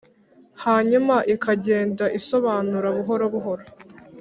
hanyuma ikagenda isobanura buhoro, buhoro